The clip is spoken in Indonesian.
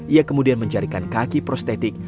ia kemudian mencarikan kaki prostetik